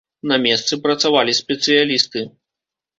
На месцы працавалі спецыялісты.